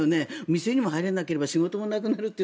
店にも入れなければ仕事もなくなるという。